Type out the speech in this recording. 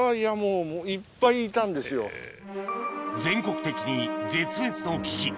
全国的に絶滅の危機